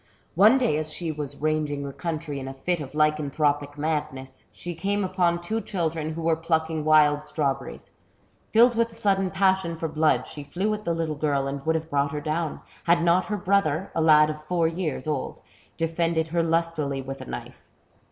One day as she was ranging the country in a fit of lycanthropic madness, she came upon two children who were plucking wild strawberries. Filled with a sudden passion for blood, she flew at the ' little girl and would have brought her down, had not her brother, a lad of four years old, defended her lustily with a knife.